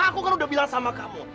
aku kan udah bilang sama kamu